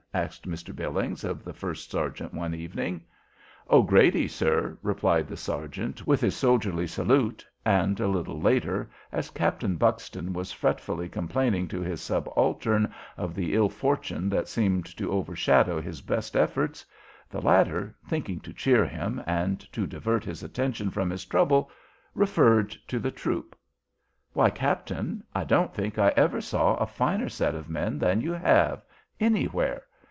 asked Mr. Billings of the first sergeant one evening. "O'Grady, sir," replied the sergeant, with his soldierly salute; and a little later, as Captain Buxton was fretfully complaining to his subaltern of the ill fortune that seemed to overshadow his best efforts, the latter, thinking to cheer him and to divert his attention from his trouble, referred to the troop: "Why, captain, I don't think I ever saw a finer set of men than you have anywhere.